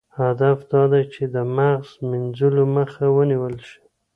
هدف دا دی چې د مغز مینځلو مخه ونیول شي.